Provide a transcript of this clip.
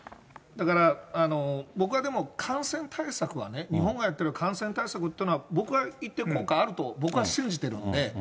だから、僕はでも、感染対策はね、日本がやってる感染対策っていうのは、僕は一定の効果があると僕は信じてるんで。